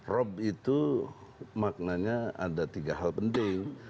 rob itu maknanya ada tiga hal penting